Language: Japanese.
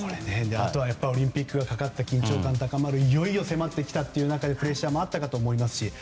あとはオリンピックがかかった緊張感でいよいよ迫ってきた中でプレッシャーもあったかと思います。